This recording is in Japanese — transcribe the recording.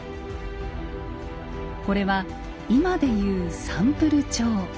これは今で言うサンプル帳。